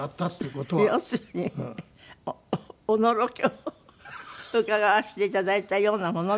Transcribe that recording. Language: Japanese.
要するにおのろけを伺わせて頂いたようなものですが。